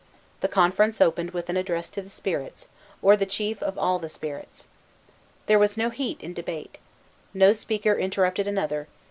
The conference opened with an address to the spirits, or the chief of all the spirits. There was no heat in debate. No speaker interrupted another.